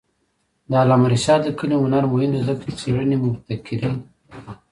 د علامه رشاد لیکنی هنر مهم دی ځکه چې څېړنې مبتکرې دي.